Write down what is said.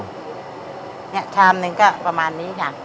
เนี่ยชามนึงก็ประมาณนี้ค่ะ